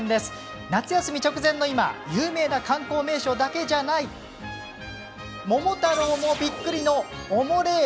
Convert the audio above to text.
夏休み直前の今有名な観光名所だけじゃない桃太郎もびっくりのおもれえ！